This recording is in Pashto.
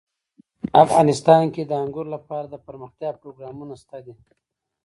افغانستان کې د انګورو لپاره دپرمختیا پروګرامونه شته دي.